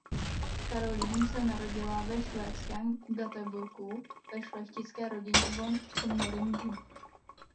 Caroline se narodila ve švédském Göteborgu ve šlechtické rodině von Knorringů.